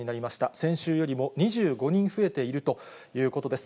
先週よりも２５人増えているということです。